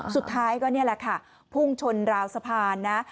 สุดท้ายก็นี่แหละค่ะพุ่งชนราวสะพานนะ